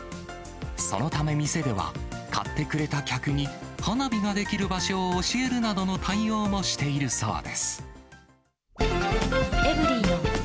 そのため店では、買ってくれた客に花火ができる場所を教えるなどの対応もしているそうです。